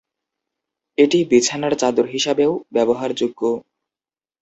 এটি বিছানার চাদর হিসাবেও ব্যবহারযোগ্য।